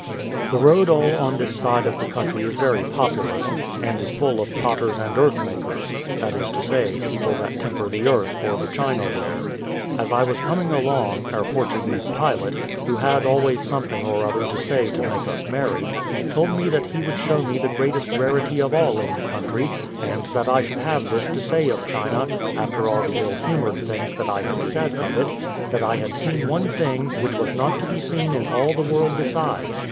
The road all on this side of the country is very populous, and is full of potters and earth makers that is to say, people, that temper the earth for the China ware. As I was coming along, our Portuguese pilot, who had always something or other to say to make us merry, told me he would show me the greatest rarity in all the country, and that I should have this to say of China, after all the ill humoured things that I had said of it, that I had seen one thing which was not to be seen in all the world beside.